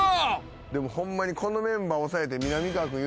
でもホンマにこのメンバー抑えてみなみかわ君。